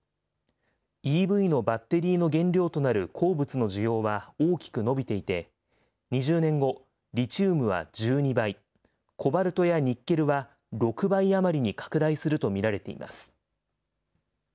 ＥＶのバッテリーの原料となる鉱物の需要は大きく伸びていて、２０年後、リチウムは１２倍、コバルトやニッケルは６倍余りに拡大すると見られています。